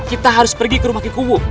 kita harus pergi ke rumah kikuu